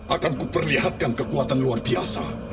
akan ku perlihatkan kekuatan luar biasa